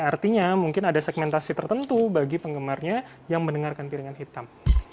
artinya mungkin ada segmentasi tertentu bagi penggemarnya yang mendengarkan piringan hitam